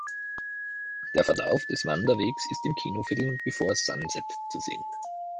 Der Verlauf des Wanderwegs ist im Kinofilm "Before Sunset" zu sehen.